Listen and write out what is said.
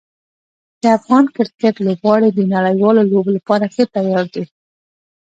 د افغان کرکټ لوبغاړي د نړیوالو لوبو لپاره ښه تیار دي.